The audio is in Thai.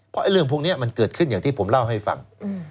เพราะเรื่องพวกนี้มันเกิดขึ้นอย่างที่ผมเล่าให้ฟัง